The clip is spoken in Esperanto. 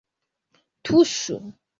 Tuŝu!